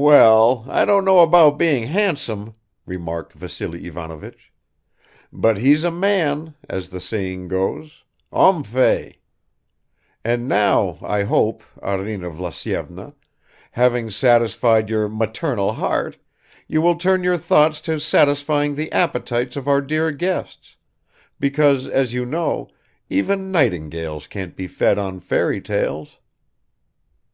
"Well, I don't know about being handsome," remarked Vassily Ivanovich. "But he's a man, as the saying goes ommfay. And now I hope, Arina Vlasyevna, having satisfied your maternal heart, you will turn your thoughts to satisfying the appetites of our dear guests, because, as you know, even nightingales can't be fed on fairy tales."